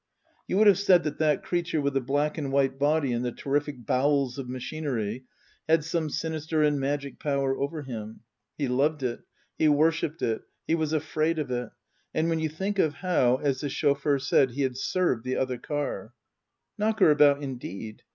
You would have said that that creature with the black and white body and the terrific bowels of machinery had some sinister and magic power over him. He loved it ; he worshipped it ; he was afraid of it. And when you think of how, as the chauffeur said, he had " served " the other car Knock her about, indeed